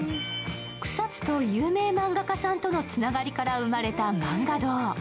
草津と有名漫画家さんとのつながりから生まれた漫画堂。